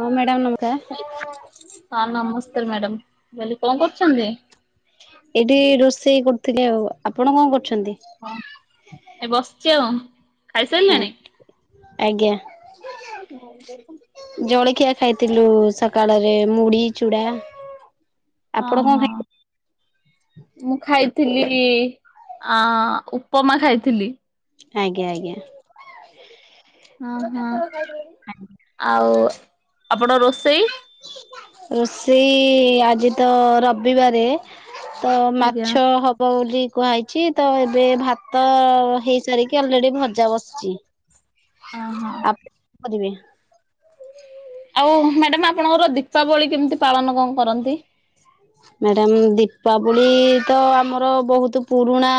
ହଁ ମ୍ୟାଡାମ ନମସ୍କାର ହଁ ନମସ୍କାର ମ୍ୟାଡାମ୍ କହିଲି କଣ କରୁଛନ୍ତି। ଏଇଠି ରୋଷେଇ କରୁଥିଲି, ଆଉ ଆପଣ କଣ କରୁଛନ୍ତି। ହଁ। ଏ ବସିଚ ଆଉ ଖାଇସାରିଲାଣି। ଆଜ୍ଞା। ହଁ ଖାଇ [unintelligible] ଜଳଖିଆ ଖାଇଥିଲୁ ସକାଳରେ ମୁଢି ଚୁଡା ହଁ ଆପଣ କଣ ହଁ ଖାଇ ମୁଁ ଖାଇଥିଲି। କି ଅଁ ଉପମା ଖାଇଥିଲି। ଆଜ୍ଞା ଆଜ୍ଞା। ହଁ ହଁ ଆଉ ଆପଣ ରୋଷେଇ ରୋଷେଇ ଆଜି ତ ରବିବାରେ ତ ଆଜ୍ଞା। ମାଛ ହବ ବୋଲି କୁହାହେଇଛି ତ ଏବେ ଭାତ ତ ହେଇସାରିକି ଅଲରେଡି ଭଜା ବସଛି ଓହୋ ଆ କରିବି ଆଉ ମ୍ୟାଡାମ ଆପଣଙ୍କର ଦୀପାବଳି କେମିତି ପାଳନ କଣ କରନ୍ତି? ମ୍ୟାଡାମ୍ ଦୀପାବଳି ତ ଆମର ବହୁତ ପୁରୁଣା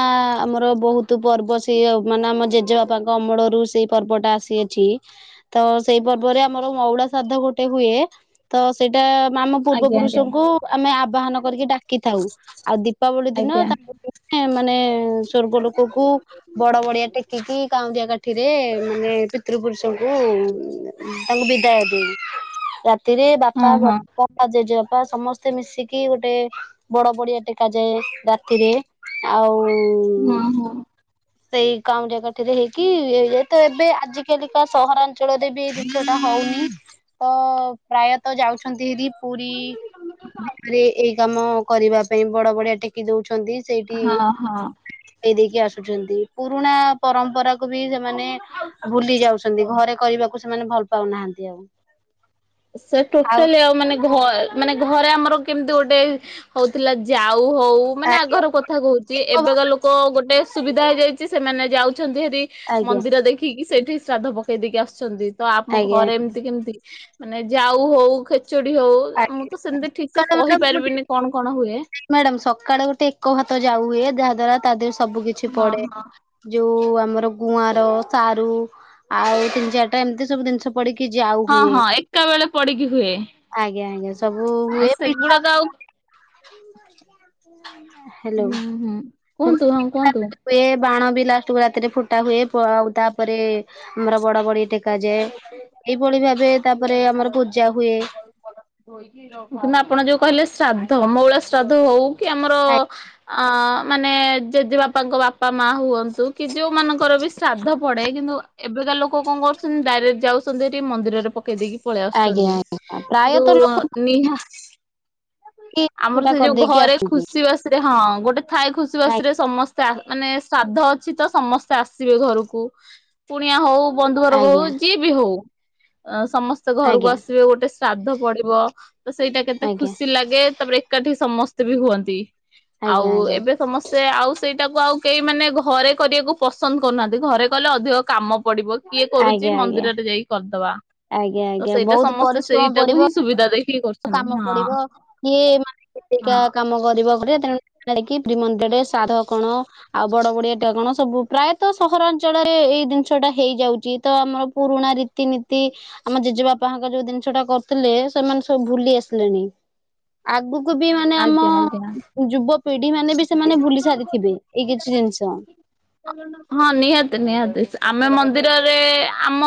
ଆମର ବହୁତ ପର୍ବ ସେ ମାନେ ଆମ ଜେଜେବାପାଙ୍କ ଅମଳରୁ ସେଇ ପର୍ବଟା ଆସିଅଛି ତ ସେଇ ପର୍ବରେ ଆମର ମଉଡ଼ ଶ୍ରାଦ୍ଧ ଗୋଟେ ହୁଏ ତ ସେଇଟା ଆମ ପୂର୍ବ ଆଜ୍ଞା ଆଜ୍ଞା ପୁରୁଷଙ୍କୁ ଆମେ ଆବାହନ କରିକି ଡାକିଥାଉ ଆଉ ଦୀପାବଳି ଦିନ ଆଜ୍ଞା। ତା ମାନେ ସ୍ଵର୍ଗ ଲୋକ ବଡ ବଡିଆ ଟେକିକି କାଉଁରିଆ କାଠିରେ ମାନେ ପିତୃ ପୁରୁଷଙ୍କୁ ତାଙ୍କୁ ବିଦାୟ ଦେଇ ରାତିରେ ବାପା ହଁ ହଁ ବଡପା ଜେଜେବାପା ସମସ୍ତେ ମିଶିକି ଗୋଟେ ବଡ ବଡିଆ ଟେକାଯାଏ ରାତିରେ ଆଉ ହଁ ହଁ ସେଇ କାଉଁରିଆ କାଠି ରେ ହେଇକି ହେଇଯାଏ ତ ଏବେ ଆଜି କାଲିକା ସହରାଞ୍ଚଳରେ ବି ଏଇ ଜିନଷଟା ହ ହଉନି ତ ପ୍ରାୟତ ଯାଉଛନ୍ତି ହେରୀ ପୁରୀ ଭିତରେ ଏଇ କାମ କରିବା ପାଇଁ ବଡ ବଡିିଆ ଟେକି ଦଉଛି ସେଇଠି ଏଇ ହଁ ହଁ। ଦେଇ ଦେଇକି ଆସୁଛନ୍ତି ପୁରୁଣା ପରମ୍ପରା କୁ ବି ସେମାନେ ଭୁଲି ଯାଉଛନ୍ତି ଘରେ କରିବାକୁ ସେମାନେ ଭଲ ପାଉ ନାହାନ୍ତି ଆଉ ସେ ଟୋଟାଲି ଆଉ ମାନେ ଘ ମାନେ ଘରେ ଆମର କେମିତି ଗୋଟେ ହଉଥିଲା ଯାଉ ହଉ ମାନେ ଆଜ୍ଞା ଆଗର କଥା କହୁଛି ଏବେକା ଲୋକ ଗୋଟେ ସୁବିଧା ହେଇଯାଇଛି ସେମାନେ ଯାଉଛନ୍ତି, ହେିରି ଆଜ୍ଞା ମନ୍ଦିର ଦେଖିକି ସେଇଠି ଶ୍ରାଦ୍ଧ ପକେଇ ଦେଇକି ଆସୁଛନ୍ତି। ତ ଆମ ଆଜ୍ଞା ଘରେ ଏମିତି କେମତି ମାନେ ଯାଉ ହଉ ଚଡି ହଉ ମୁଁ ତ ସେମିତି ଠିକ ସେ କହି ପାରିବିନି କଣ କଣ ହୁଏ। ମ୍ୟାଡାମ୍ ସକାଳେ ଗୋଟେ ଏକ ଭାତ ଯାଉ ହୁଏ ଯାହା ଦ୍ଵାରା ତା ଦେହରେ ସବୁ କିିଛି ହଁ ପଡେ ହଁ ଯୋଉ ଆମର ଗୁଆଁର ସାରୁ ଆଉ ତିନି ଚାରିଟା ଏମତିବୁ ଜିନିଷ ପଡିକି ଯାଉ ହଁ ହୁଏ ହଁ ଏକା ବେଳେ ପଡିକି ହୁଏ ଆଜ୍ଞା ଆଜ୍ଞା। ସବୁ ଆଉ ହୁଏ ପିଠା ସେଗୁଡାକ ବି ଆଉ ହୁଏ। ହେଲୋ ହୁଁ ହୁଁ ମୁଁ କଲି କୁହନ୍ତୁ ହଁ ପିଠା କୁହନ୍ତୁ। ବି ହୁଏ। ବାଣ ବି ଲାଷ୍ଟକୁୁ ରାତିରେ ଫୁଟା ହୁଏ ଆଉ ତାପରେ ଆମର ବଡ଼ ବଡ଼ି ଟେକି ଯାଏ ଏଇଭଳି ଭାବେ ତାପରେ ଆମର ହୁଏ। କିନ୍ତୁ ଆପଣ ଯୋଉ କହିଲେ ଶ୍ରାଦ୍ଧ ମଉଳା ଶ୍ରାଦ୍ଧ ହଉ କି ଆମର ଆ ଅ ମାନେ ଜେଜେବାପାଙ୍କ ବାପା ମା ହୁଅନ୍ତୁକି କି ଯୋଉ ମାନଙ୍କର ବି ଶ୍ରାଦ୍ଧ ପଡେ କିନ୍ତୁ। ଏବେକା ଲୋକ କଣ କରୁଛନ୍ତି ଡାଇରେକ୍ଟ ଯାଉଛନ୍ତି ଏଠି ମନ୍ଦିରରେ ପକେଇ ଦେଇକି ପଳେଇ ଆଜ୍ଞା ଆସୁଛନ୍ତି। ଆଜ୍ଞା ପ୍ରାୟତଃ ଯୋଉ ଲୋକ ନିହା କି ଆମର ସେଟା ସେ ଯୋଉ କରିଦେଇକି ଘରେ ଆସୁଛନ୍ତି। ଖୁସି ବାସିରେ ହଁ ଗୋଟେ ଥାଏ ଖୁସି ବାସି ରେ ସମସ୍ତେ। ମାନେ ଶ୍ରାଦ୍ଧ ଅଛି ତ ସମସ୍ତେ ଆସିବେ ଘରକୁ ପୁଣିଆ ହଉ ଆଜ୍ଞା ବନ୍ଧୁବର୍ଗ ହଉ ଆଜ୍ଞା ଯିଏ ବି ହଉ ଏଁ ସମସ୍ତେ ଘରକୁ ଆଜ୍ଞା ଆସି ଶ୍ରାଦ୍ଧ ପଡିବ ତ ସେଇଟା କେତେ ଆଜ୍ଞା ଖୁସି ଲାଗେ ତାପରେ ଏକାଠି ସମସ୍ତେ ବି ହୁଅନ୍ତି। ଆଜ୍ଞା ଆଉ ଆଜ୍ଞା। ଏବେ ସମସ୍ତେ ଆଉ ସେଇଟାକୁ ଆଉ କେହି ମାନେ ଘରେ କରିବାକୁ ପସନ୍ଦ କରୁନାହାନ୍ତି ଘରେ କଲେ ଅଧିକ କାମ ପଡ଼ିବ ଇଏ କରୁଛି ଆଜ୍ଞା ଆଜ୍ଞା ମନ୍ଦିରରେ ଯାଇକି କରିଦବା। ଆଜ୍ଞା ତ ଆଜ୍ଞା ସେଇଟା ବହୁତ୍ ସମସ୍ତେ ସେଇଟାକୁ ହିଁ ସୁବିଧା ଦେଇ କାମ ପଡ଼ିବ କିଏ ମାନେ କୋ ହଁ। କାମ କରିବ ଘରେ ିମନ୍ଦ ସାଧ କଣ ଆଉ ବଡ ବଡିଆ ଟା କଣ ସବୁ ପ୍ରାୟତଃ ସହରାଞ୍ଚଳରେ। ଏଇ ଜିନିଷ ଟା ହେଇଯାଉଛି ତ ଆମର ପୁରୁଣା ରୀତିନୀତି ଆମ ଜେଜେବାପାଙ୍କ ଯଉ ଜିନିଷଟା। କରିଥିଲେ ସେମାନେ ସ ଭୁଲି ଆସିଲେଣି ଆଗକୁ ବି ମାନେ ଆମ ଆଜ୍ଞା ଆଜ୍ଞା। ଯୁବପିଢ଼ି। ଢ଼ି ମାନେ ବି ସେମାନେ ଭୁଲି ସାରିଥିବେ ଏଇ କିଛି ଜିନିଷ। ହଁ ନିହାତି ନିହାତି ଆମେ ମନ୍ଦିରରେ ଆମ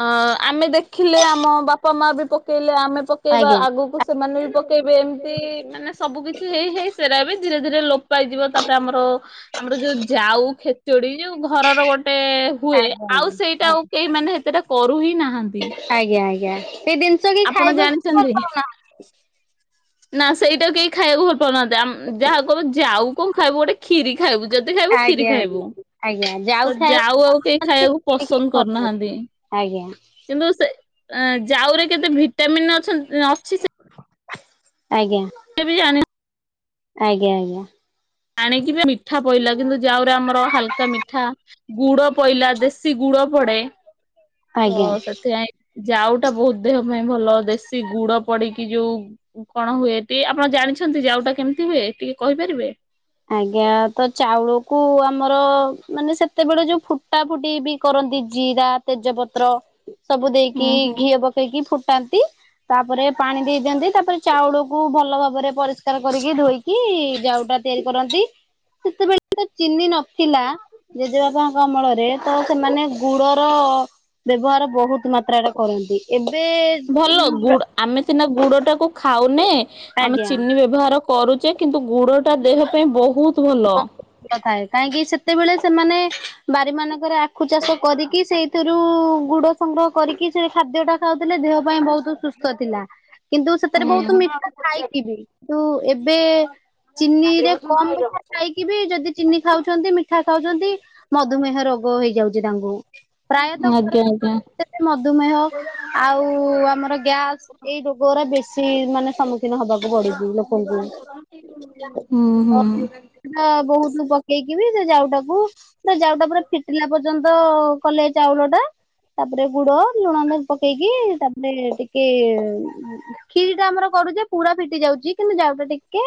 ଅ ଆମେ ଦେଖିଲେ ଆମ ବାପା ମା ବି ପକେଇଲେ ଆ ଆମେ ପକେଇବା ଆଜ୍ଞା ଆଗକୁ ସେମାନେ ବି ପକେଇବେ ଏମିତି ମାନେ ସବୁ କିଛି ହେଇ ହେଇ ସେରା ବି ଧୀ- ଧୀରେ ଲୋପ ହେଇଯିବ ତାପରେ ଆମର ଆମର ଯୋଉ ଯାଉ ଖେଚୁଡ଼ି। ଯୋଉ ଘରର ଗୋଟେ ହୁଏ ଆଜ୍ଞା ଆଉ ଆଜ୍ଞା ସେଇଟା ଆଉ କେହି ମାନେ ହେତେଟା କରୁ ହି ନାହାନ୍ତି। ଆଜ୍ଞା ଆଜ୍ଞା ସେଇ ଜିନିଷ କି ଆପଣ ଖାଇବାକୁ ଜାଣିଛନ୍ତି? ଭଲଉନା ନା ସେଇଟା କେହି ଖାଇବାକୁ ଭଲ ଲପାଉନା ଯାହା କହିବୁ ଯାଉ କଣ ଖାଇବୁ ଗୋଟେ କ୍ଷୀରି ଖାଇବୁ ଯଦି ଖାଇବୁ କ୍ଷୀରି ଆଜ୍ଞା ଖାଇବୁ। ଆଜ୍ଞା ଆଜ୍ଞା ତ ଖାଇବାକୁ ଯାଉ ଆଉ କେହି ମତେ ଖାଇବାକୁ ଟିକେ ପସନ୍ଦ ଭଲ କରୁନାହାନ୍ତି ଲାଗେ। କିନ୍ତୁ ସେ ଅ ଜାଉରେ କେତେ ଭିଟାମିନ୍ ଅ-ଁଅଛି। ଆଜ୍ଞା ସେ ବି ଜାଣି ଆଜ୍ଞା ଆଜ୍ଞା। ଆଣିକି ମିଠା ପଇଲା କିନ୍ତୁ ଯାଉରେ ଆମର ହାଲକା ମିଠା ଗୁଡ଼ ପଇଲା ଦେଶୀ ଗୁଡ଼ ପୂର ପଡେ ତ ଆଜ୍ଞା ସେଥିପାଇଁ। ଯାଉ ଟା ବହୁତ ଦେହ ପାଇଁ ଭଲ ଦେଶୀ ଗୁଡ଼ ପଡ଼ିକି ଯୋଉ କଣ ହୁଏ ଟ ଆପଣ ଜାଣ ଜଣିଛନ୍ତି ଯାଉଟା କେମିତି ହୁଏ ଟିକେ କହିପାରିବେ। ଆଜ୍ଞା ତ ଚାଉଳକୁ ଆମର ମାନେ ସେତେବେଳେ ଯୋଉ ଫୁଟା ଫୁଟି ବି କର ଜିରା ତେଜପତ୍ର ସବୁ ଦେଇକି ହୁଁ ହୁଁ। ଘିଅ ପକେଇକି ଫୁଟାନ୍ତି। ତାପରେ ପାଣି ଦେଇ ଦିଅନ୍ତି ତାପରେ ଚାଉଳକୁ ଭଲ ଭାବରେ ପରିଷ୍କାର କରିକି ଧୋଇକି ଯାଉଟା। ତିଆରି କରନ୍ତି। ସେତେବେଳେ ତ ଚିନି ନଥିଲା ଜେଜେବାପଙ୍କ ଅମଳରେ ତ ସେମାନେ ଗୁଡ଼ର ବ୍ୟବହାର ବହୁତ ମାତ୍ରାରେରେ କରନ୍ତି ଏବେ ଭଲ ଗୁଡ଼ ଆମେ ସିନା ଗୁଡ଼ ଟାକୁ ଖାଉନେ, ଆମେ ଆଜ୍ଞା। ଚିନି ବ୍ୟବହାର କରୁ କରୁଚେ କିନ୍ତୁ ଗୁଡ଼ ଟା ଦେହ ପାଇଁ ବହୁତୁ ଭଲ। ଥାଏ କାହିଁକି ସେତେବେଳେ ସେମାନେ ବାରି ମାନଙ୍କରେ ଆଖୁ ଚାଷ କରିକି ସେଇଥିରୁ ଗୁଡ଼ ସ କରିକି ସେ ଖାଦ୍ୟ ଟା ଖାଉଥିଲେ ଦେହ ପାଇଁ ବହୁତୁ ସୁସ୍ଥ ଥିଲା। କିନ୍ତୁ ସେଥିରେ ହୁଁ। ବହୁତୁ ମିଠା ଥାଇକି ବି, କିନ୍ତୁ ଏବେ ଚିନି ରେ କମ୍ ମିଠା ଥାଇକି ବି ଯଦି ଚିନି ଖାଉଛନ୍ତି ମିଠା ଖାଉଛନ୍ତି ମଧୁମେହ ରୋଗ ହେଇଯାଉଛି ତାଙ୍କୁ ଆଜ୍ଞା ଆଜ୍ଞା। ପ୍ରାୟତଃ ମଧୁମେହ ଆଉ ଆମର ଗ୍ୟାସ୍ ଏଇ ରୋଗ ଗୁରା ବେଶୀ ମାନେ ସମ୍ମୁଖୀନ ହବାକୁ ପଡୁଛି ଲୋକଙ୍କୁ। [unintelligible] ହୁଁ ହୁଁ ପ ବହୁତ୍ ପକେଇକିିବି ସେ ଯାଉଟାକୁ ଯାଉଟା ପୁରା ଫିଟିଲା ପର୍ଯ୍ୟନ୍ତ କ କଲେ ଚାଉଳ ଟା ତାପରେ ଗୁଡ ଲୁଣ ପକେଇକି ତାପରେ ଟିକେ କ୍ଷିରି ଟା ଆମର କ ରୁ ଚେ ପୁରା ଫିଟି ଯାଉଛି କିନ୍ତୁ ଯାଉ ଟା ଟିକେ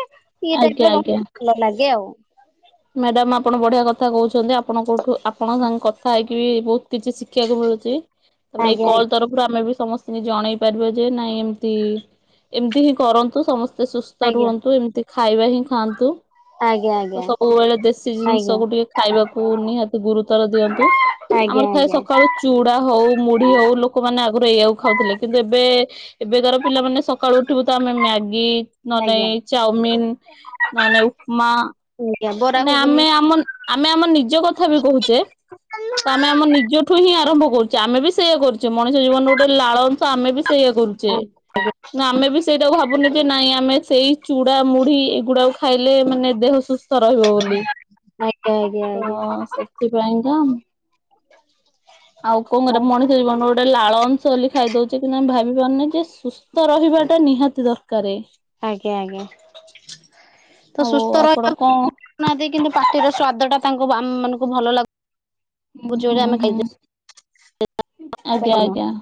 ଇଏ ଟାଇପ୍ ଆଜ୍ଞା ର ରହିଲେ ଭଲ ଲାଗେ ଆଉ। ମ୍ୟାଡ଼ାମ ଆପଣ ବଢିଆ କଥା କହୁଛନ୍ତି, ଆପଣ କୋଉଠୁ ଆପଣ ସାଙ୍ଗେ କଥା ହେଇକି ବି ବହୁତ କିଛି ଶିଖିବାକୁ ମିଳୁଛି, ତାପରେ ଏଇ ଆଜ୍ଞା କଲ ତରଫରୁ ଆମେ ବି ସମସ୍ତଙ୍କୁ ଜଣେଇ ପାରିବ ଯେ ନାଇଁ ଏମତି ଏମତି ହିଁ କରନ୍ତୁ ସମସ୍ତ ସୁସ୍ଥ ଆଜ୍ଞା ରୁହନ୍ତୁ ଏମିତି ଖାଇବା ହିଁ ଖାଆନ୍ତୁ। ଆଜ୍ଞା ତ ଆଜ୍ଞା। ସବୁବେଳେ ଦେଶୀ ଆଜ୍ଞା ଜିନିଷକୁ ଟିକେ ଖାଇବାକୁ ନିହାତି ଗୁରୁତର ଦିଅନ୍ତୁ। ଆଜ୍ଞା ଆମର ଥାଏ ଆଜ୍ଞା ସକାଳୁ ଚୁଡା ହଉ ମୁଢି ହଉ ଲୋକମାନେ ଆଗରୁ ଏଇଆକୁ ଖାଉଥିଲେ କିନ୍ତୁ ଏବେ ଏବେକାର ପିଲାମାନେ ସକାଳୁ ଉଠିବୁ ତ ଆମେ ମ୍ୟାଗି ନ ନେ ଆଜ୍ଞା ଚାଉମିିନ ନ ନେ ଉପମା ଆଜ୍ଞା ବରା ମାନେ ଘୁଗୁନି ଆମେ ଆମ ଆମେ ଆମ ନିଜ କଥା ବି କହୁ ଚେ ତ ଆମେ ଆମ ନିଜଠୁ ହିଁ ଆରମ୍ଭ କରୁଚେ, ଆମେ ବି ସେଇଆ କରୁଚେ ମଣିଷ ଜୀବନରେ ଗୋଟେ ଲାଳ ଅଂଶ ଆମେ ବି ସେଇଆ କରୁଛେ, ନା ଆମେ ବି ସେଇଟାକୁ ଭାବୁନେ ଯେ ନାଇଁ ଆମେ ସେଇ ଚୁଡ଼ା ମୁଢି ଏଗୁଡ଼ାକ ଖାଇଲେ ମାନେ ଦେ ସୁସ୍ଥ ରହିବ ବୋଲି, ଆଜ୍ଞା ଆଜ୍ଞା ତ ଆଜ୍ଞା ସେଥିପାଇଁକା ଆଉ କଣ କରିବା ମଣିଷ ଜୀବନ ଗୋଟେ ଲାଳ ଅଂଶ ବୋଲି ଖାଇ ଦଉଛି କିନ୍ତୁ ଆମେ ଭାବି ପାରୁନି ଯେ ସୁସ୍ଥ ରହିବାଟା ନିହାତି ଦରକାର ଆଜ୍ଞା ଆଜ୍ଞା। ତ ଆଉ ସୁସ୍ଥ ଆପଣ ରହିବାକୁ କଣ [inaudible] କିନ୍ତୁ ପାଟିର ସ୍ଵାଦ ଟା ତାଙ୍କୁ ଆମ ମାନଙ୍କୁ ଭଲ ଲାଗୁ ହୁଁ ହୁଁ ହୁଁ। ଆଜ୍ଞା ଆଜ୍ଞା। ଆମର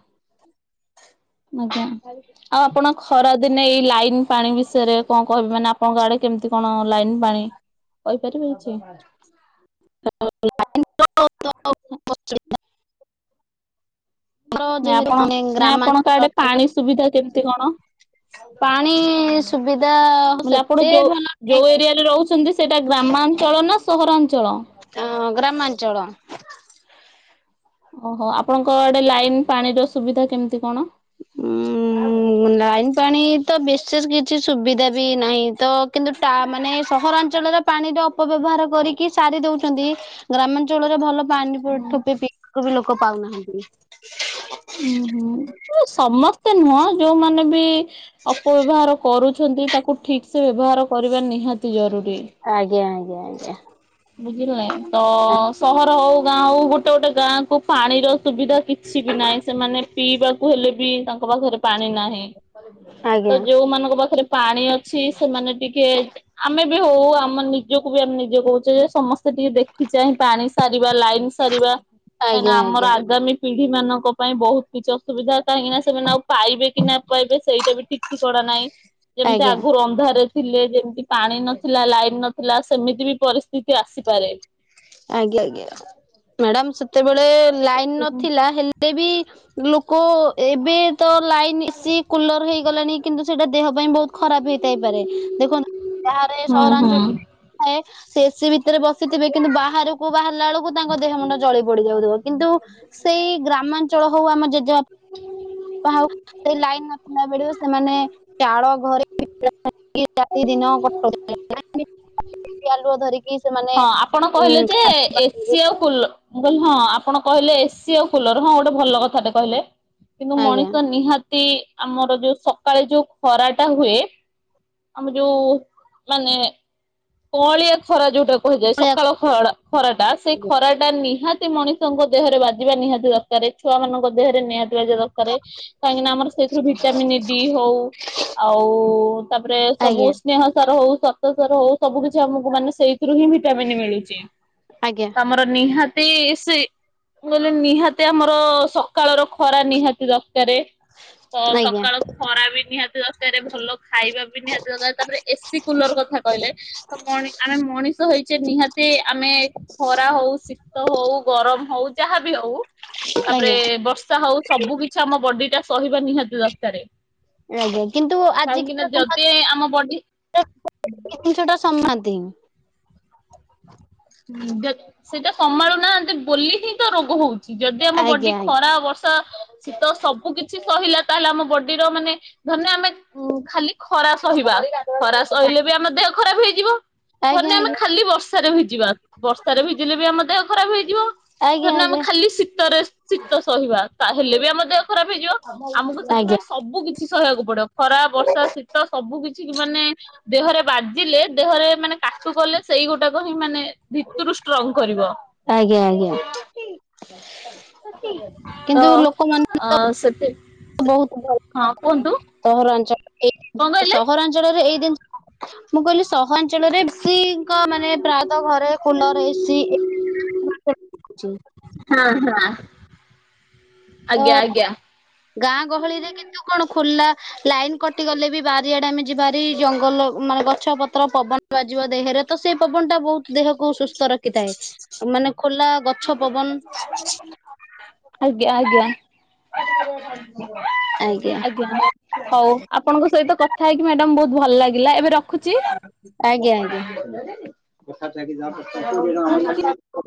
ଆଜ୍ଞା ଆଉ ଆପଣ ଖରାଦିନେ ଏଇ ଲାଇନ ପାଣି ବି ସେରେ କଣ କହିବି ମାନେ ଆପଣଙ୍କ ଆଡେ କେମିତି କଣ ଲାଇନ୍ ପାଣି? କହିପାରିବେ କିଛି [unintelligible] ନାଇଁ ଯେହେତୁ ଆପଣ ଆମେ ନାଇଁ ଆପଣଙ୍କ ଆଡେ ଗ୍ରାମାଞ୍ଚଳ ପାଣି ସୁବିଧା କେମିତି କଣ? ପାଣି ସୁବିଧା ଆପଣ ସେତେ ଯୋଉ ଭଲ ଯୋଉ ନୁହେଁ ଏରିଆରେ ରହୁଛନ୍ତି ସେଇଟା ଗ୍ରାମ ମାଞ୍ଚଳ ନା ସହରାଞ୍ଚଳ? ଅ ଗ୍ରାମାଞ୍ଚଳ। ଓହୋ ଆପଣଙ୍କ ଆଡେ ଲାଇନ୍ ପାଣିର ସୁବିଧା କେମିତି କଣ? ଉ ଲାଇନ୍ ପାଣି ତ ବିଶେଷ କିଛି ସୁବିଧା ବି ନାହିଁ ତ କିନ୍ତୁ ଟ ମାନେ ସହରାଅ ଞ୍ଚଳର ପାଣିର ଅପ ବ୍ୟବହାର କରିକି ସାରିଦଉଛନ୍ତି ଗ୍ରାମାଞ୍ଚଳରେ ଭଲ ପାଣି ପର ଠୋପେ ପିଇବାକୁ ବି ଲୋକ ପାଉନାହାନ୍ତି। ହୁଁ ହୁଁ ସମସ୍ତେ ନୁହଁ ଯୋଉମାନେ ବି ଅପବ୍ୟବହାର କରୁ ଅଛନ୍ତି ତାକୁ ଠିକ୍ ସେ ବ୍ୟବହାର କରିବା ନିହାତି ଜରୁରୀ। ଆଜ୍ଞା ଆଜ୍ଞା ଆଜ୍ଞା। ବୁଝିଲେ ତ ସହର ହଉ ଗାଁ ହଉ ଗୋଟେ ଗୋଟେ ଗାଁ କୁ ପାଣିର ସୁବିଧା କିଛି ବି ନାହିଁ ସେମାନେ ପିଇବାକୁ ହେଲେ ବି ତାଙ୍କ ପାଖରେ ପାଣି ନାହିଁ। ଆଜ୍ଞା ଆଜ୍ଞା। ତ ଯୋଉମାନଙ୍କ ପାଖରେ ପାଣି ଅଛି ସେମାନେ ଟିକେ ଆମେ ହଉ ଆମ ନିଜକୁ ବି ଆମେ ନିଜେ କହୁଛେ ଯେ ସମସ୍ତେ ସେ ଟିକେ ଦେଖିଚାହିଁ ପାଣି ସାରିବା ଲାଇନ ସାରିବା କାହିଁକି ଆଜ୍ଞା ଆଜ୍ଞା ଆମର ଆଗାମୀ ପିଢ ବି ମାନଙ୍କ ପାଇଁ ବହୁତ କିଛି ସୁବିଧା କାହିଁକି ନା ସେମାନେ ଆଉ ପାଇବେ କି ନା ପାଇବେ ସେଇଟା ବି ଠିକ ଠିକଣା ନାହିଁ। ଯେମତି ଆଜ୍ଞା ଆଗୁର ଅନ୍ଧାରେ ଥିଲେ ଯେମିତି ପାଣି ନଥିଲା ଲାଇନ ନଥିଲା ସେମିତି ବି ପରିସ୍ଥିତି ଆସିପାରେ। ଆଜ୍ଞା ଆଜ୍ଞା ମ୍ୟାଡାାମ ସେତେବେଳେ ଲାଇନ ହୁଁ ନଥିଲା ହେଲେ ବି ଲୋକ ଏବେ ତ ଲାଇନ ଏସିି, କୁଲର ହେଇଗଲାଣି। କିନ୍ତୁ ସେଇଟା ଦେହ ପାଇଁ ବହୁତ ଖରାପ ହେଇଥାଇପାରେ। ଦେଖନ୍ତ ବାହାର ହୁଁ ସହରାଞ୍ଚଳ ହଁ ଥାଏ। ସେଏସିି ଭିତରେ ବସିଥିବେ କିନ୍ତୁ ବାହାରକୁ ବାହାରିଲା ବେଳକୁ ତାଙ୍କ ଦେହ ମୁଣ୍ଡ ଜଳି ପୋଡିଯାଉଥିବ। କିନ୍ତୁ ସେଇ ଗ୍ରାମାଞ୍ଚଳ ହଉ ଆମ ଜେଜେବା [unintelligible] ଉ ସେଇ ଲାଇନ୍ ନଥିଲା ବେଳୁ ସେମାନେ ଚାଳ ଘରେ [inaudible] ରାତି ଦିନ [inaudible] ଡିବି ଆଲୁଅ ଧରିକି ସେମାନେ ହଁ ଆପଣ କହିଲେ ଉଁ ଯେ ଏସି ଆଉ କୁଲ ମୁଁ କହିଲି ହଁ ଆପଣ କହିଲେ ଏସି ଆଉ କୁଲର ହଁ ଗୋଟେ ଭଲ କଥାଟେ କହିଲେ। କିନ୍ତୁ ଆଜ୍ଞା ମଣିଷ ନିହାତି ଆମର ଯୋଉ ସକାଳେ ଯୋଉ ଖରାଟା ହୁଏ। ଆମ ଯୋଉ ମାନେ କଅଁଳିଆ ଖରା ଯୋଉଟା କୁହାଯାଏ। ସକାଳ ଖଡା ଖରାଟା ସେଇ ଖରାଟା ନିହା ତି ମଣିଷଙ୍କ ଦେହରେ ବାଜିବା ନିହାତି ଦରକାରେ। ଛୁଆମାନଙ୍କ ଦେହରେ ନିହା ତି ବାଜିବା ଦରକାର କାହିଁକି ନା ଆମର ସେଥିରୁ ଭିଟାମିନ ଡି ହୋଉ ଆଉ ତାପରେ ସବୁ ଆଜ୍ଞା ସ୍ନେହ ସାର ହୋଉ ଶ୍ଵତସାର ହୋଉ ସବୁ କିଛି ଆମକୁ ମାନେ ସେଇଥିରୁ ହିଁ ଭିଟାମିନ୍ ମିଳୁଚି। ଆଜ୍ଞା ଆମର ନିହା ତି ସେଇ ମୁଁ କହିଲି ନିହାତି ଆମର ସକାଳର ଖରା ନିହାତି ଦ ରକାରେ ଅ ଆଜ୍ଞା ସକାଳ ଖରା ବି ନିହାତି ଦରକାରେ ଭଲ ଖାଇବା ବି ନିହାତି ଦରକାରେ ତାପରେ ଏସି, କୁଲର କଥା କହିଲେ ତ ମଣି ଆମେ ମଣିଷ ହେଇଚେ ନିହା ତି ଆମେ ଖରା ହୋଉ ଶୀତ ହୋଉ ଗରମ ହୋଉ ଯାହାବି ହୋଉ ତାପରେ ଆଜ୍ଞା ବର୍ଷା ହୋଉ ସବୁ କିଛି ଆମ ବଡିଟା ସହିବା ନିହାତି ଦରକାରେ। ଆଜ୍ଞା କିନ୍ତୁ କାହିଁକି ନା ଆଜିିକାର ଯଦି ଆମ ବଡି ସମାଜରେ [inaudible] ଏଇ ଜିନିଷଟା ସମ୍ମାତି ଉଁ ଯଦ୍ ସେଇଟା ସମ୍ଭାଳୁ ନାହାନ୍ତି ବୋଲି ହିଁ ତ ରୋଗ ହୋଉ ଯଦି ଆମ ବଡି ଆଜ୍ଞା ଖରା, ବର୍ଷା, ଶୀତ ସବୁ କିଛି ସହିଲା ତାହେଲେ ଆମ ବଡିର ମାନେ ଧରିନିଅ ଆମେ ଉଁ ଖାଲି ଖରା ସହିବା ଖରା ସହିଲେ ବି ଆମ ଦେହ ଖରାପ ହେଇଯିବ। ଆଜ୍ଞା ଧରିନିଅ ଆମେ ଆଜ୍ଞା। ଖାଲି ବର୍ଷାରେ ଭିଜିବା ବର୍ଷାରେ ଭିଜିଲେ ବି ଆମ ଦେହ ଖରାପ ହେଇଯିବ। ଆଜ୍ଞା ଆଜ୍ଞା ଥୋଡି ନା ଆମେ ଆଜ୍ଞା ଖାଲି ଶୀତରେ ଶୀତ ସହିବା ତାହେଲେ ବି ଆମ ଦେହ ଖରାପ ହେଇଯିବ। ଆମକୁ ଆଜ୍ଞା ସେଥିପାଇଁ ସବୁ କିଛି ସହହିବାକୁ ପଡିବ ଖରା, ବର୍ଷା, ଶୀତ ସବୁ କିଛି ମାନେ ଦେହରେ ବା ଜିଲେ ଦେହରେ ମାନେ କାଟୁ କଲେ ସେଇ ଗୋଟାକ ହିଁ ମାନେ ଭିତରୁ ଷ୍ଟ୍ରଙ୍ଗ କରିବ। ଆଜ୍ଞା ଆଜ୍ଞା ତ କିନ୍ତୁ ଲୋକମାନେ ଅ ତ ସେଥି ବୋହୁତ ଭଲ ହଁ କୁହନ୍ତୁ [inaudible] ସହରାଞ୍ଚଳ ଏ କଣ କହିଲେ? ସହରାଞ୍ଚଳରେ ଏଇ [inaudible] ମୁଁ କହିଲି ସହରାଞ୍ଚଳରେ ବେଶି ଙ୍କ ମାନେ ପ୍ରାୟତଃ ଘରେ କୁଲର ଏସି ଅଛି। ହୁଁ ହୁଁ। ତ ଗାଁ ଗହଳିରେ କିନ୍ତୁ କଣ ଖୋଲା ଲାଇନ କଟିଗଲେ ବି ବାରିଆଡେ ଆମେ ଯିବାହେରି ଜଙ୍ଗଲ ମାନେ ଗଛ ପତ୍ର ପବନ ବାଜିବ ଦେହେରେ। ତ ସେଇ ପବନ ଟା ବହୁତ ଦେହକୁ ସୁ ସ୍ଥତ ରଖିଥାଏ ମାନେ ଖୋଲା ଗଛ ପବନ। ଆଜ୍ଞା ଆଜ୍ଞା। [inaudible] ଆଜ୍ଞା ହଉ ଆପଣଙ୍କ ସହିତ କଥା ହେଇକି ମ୍ୟାଡାମ ବହୁତ ଭଲ ଲାଗି ଲା ଏବେ ରଖୁଛି? ଆଜ୍ଞା ଆଜ୍ଞା [inaudible]